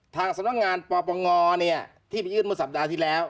ทางสำนักงานปปงที่ไปยื่นเมื่อสัปดาห์ที่แล้ว